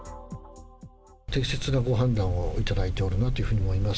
適切なご判断をいただいておるというふうに思います。